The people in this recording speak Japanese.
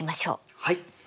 はい。